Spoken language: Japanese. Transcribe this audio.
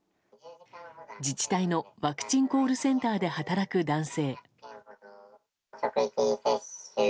自治体のワクチンコールセンターで働く男性。